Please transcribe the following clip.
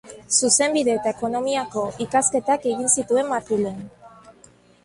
Zuzenbide eta Ekonomiako ikasketak egin zituen Madrilen.